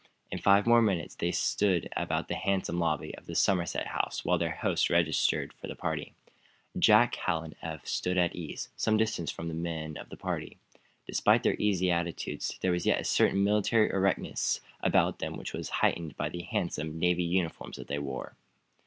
In five minutes more they stood about in the handsome lobby of the Somerset House while their host registered for the party. Jack, Hal and Eph stood at ease, some distance from the men of the party. Despite their easy attitudes there was yet a certain military erectness about them which was heightened by the handsome, natty uniforms that they wore.